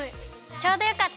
ちょうどよかった。